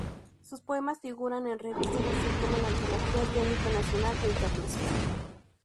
Sus poemas figuran en revistas así como en antologías de ámbito nacional e internacional.